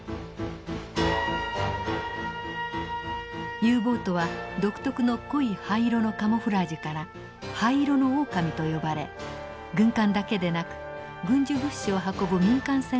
Ｕボートは独特の濃い灰色のカモフラージュから灰色のオオカミと呼ばれ軍艦だけでなく軍需物資を運ぶ民間船をも攻撃しました。